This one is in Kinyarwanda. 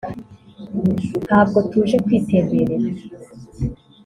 Ntabwo tuje kwitemberera